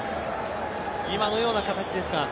今のような形ですか。